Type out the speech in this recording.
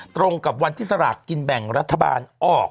ตรงกับวันที่สลากกินแบ่งรัฐบาลออก